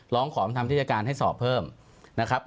ร้องขอบความทำที่อายการให้สอบเพิ่มนะครับ